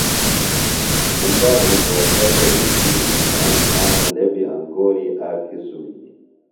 ایندا بھے گھوݜٹہ بےۡ بِجلیۡ استعمال تھانہ لےۡ بیۡ انگوری آک قسم ہنیۡ۔